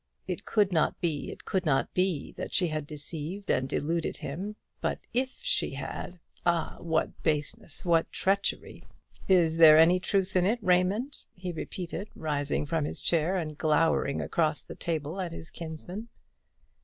It could not be, it could not be, that she had deceived and deluded him; but if she had ah, what baseness, what treachery! "Is there any truth in it, Raymond?" he repeated, rising from his chair, and glowering across the table at his kinsman.